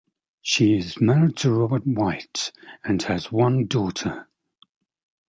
She is married to Robert White and has one daughter.